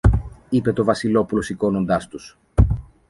είπε το Βασιλόπουλο σηκώνοντας τους